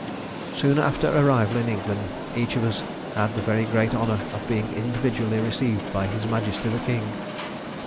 Soon after arrival in England, each of us had the very great honour of being individually received by His Majesty the King.